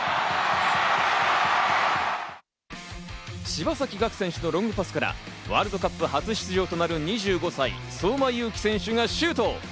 柴崎岳選手のロングパスからワールドカップ初出場となる２５歳、相馬勇紀選手がシュート。